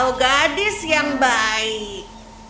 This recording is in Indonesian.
kau gadis yang baik